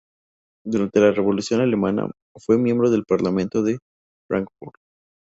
Durante la Revolución alemana, fue miembro del Parlamento de Fráncfort.